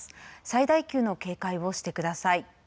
最大級の警戒をしてください。